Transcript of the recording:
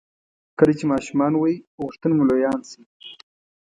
کله چې ماشومان وئ غوښتل مو لویان شئ.